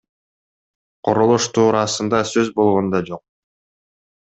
Курулуш туурасында сөз болгон да жок.